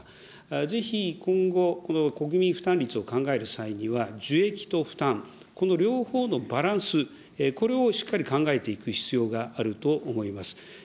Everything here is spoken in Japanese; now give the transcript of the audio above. ぜひ今後、この国民負担率を考える際には、受益と負担、この両方のバランス、これをしっかり考えていく必要があると思います。